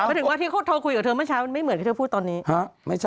ถึงว่าที่เขาโทรคุยกับเธอเมื่อเช้ามันไม่เหมือนที่เธอพูดตอนนี้